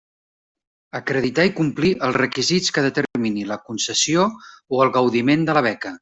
Acreditar i complir els requisits que determini la concessió o el gaudiment de la beca.